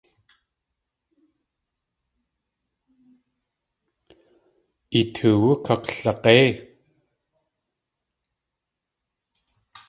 I toowú kaklag̲éi!